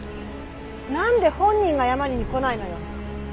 なんで本人が謝りに来ないのよ？